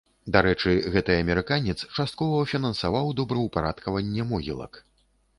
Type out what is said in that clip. Дарэчы, гэты амерыканец часткова фінансаваў добраўпарадкаванне могілак.